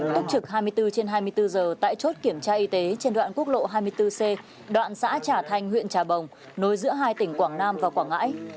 túc trực hai mươi bốn trên hai mươi bốn giờ tại chốt kiểm tra y tế trên đoạn quốc lộ hai mươi bốn c đoạn xã trà thanh huyện trà bồng nối giữa hai tỉnh quảng nam và quảng ngãi